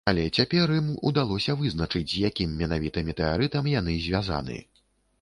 Але цяпер ім удалося вызначыць, з якім менавіта метэарытам яны звязаны.